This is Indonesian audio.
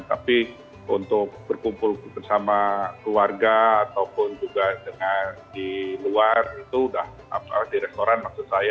tapi untuk berkumpul bersama keluarga ataupun juga dengan di luar itu sudah di restoran maksud saya